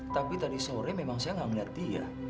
tapi tadi sore memang saya gak ngeliat dia